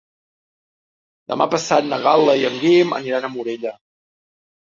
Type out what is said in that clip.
Demà passat na Gal·la i en Guim aniran a Morella.